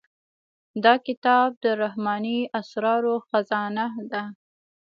دا کتاب د رحماني اسرارو خزانه ده.